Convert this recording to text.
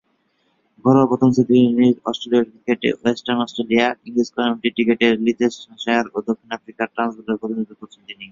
ঘরোয়া প্রথম-শ্রেণীর অস্ট্রেলীয় ক্রিকেটে ওয়েস্টার্ন অস্ট্রেলিয়া, ইংরেজ কাউন্টি ক্রিকেটে লিচেস্টারশায়ার ও দক্ষিণ আফ্রিকার ট্রান্সভালের প্রতিনিধিত্ব করেছেন তিনি।